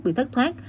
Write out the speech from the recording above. bị thất thoát